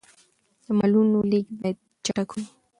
د مالونو لېږد باید چټک وي.